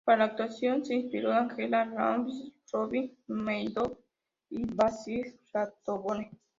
Para la actuación, se inspiró en Angela Lansbury, Roddy McDowall y Basil Rathbone.